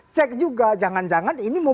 cek juga jangan jangan ini mau